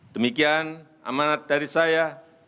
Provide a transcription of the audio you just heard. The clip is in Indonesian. demikian amanat dari saya